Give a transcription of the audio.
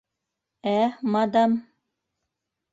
Ә, мадам?